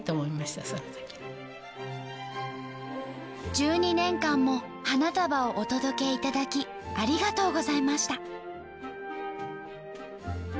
「十二年間も花束をお届けいただきありがとうございました」。